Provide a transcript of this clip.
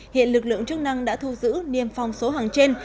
hiện lực lượng chức năng đã thu giữ niêm phong số hàng trên